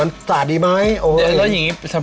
แล้วอย่างนี้สภาพนี้เป็นยังไงครับ